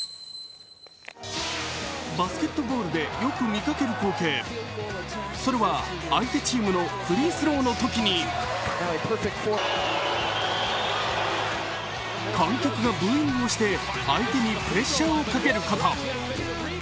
バスケットボールでよく見かける光景、それは相手チームのフリースローのときに観客がブーイングをして相手にプレッシャーをかけること。